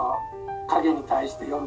「影に対して」